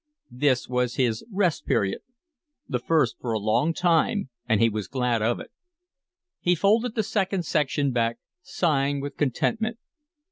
This was his Rest Period, the first for a long time, and he was glad of it. He folded the second section back, sighing with contentment.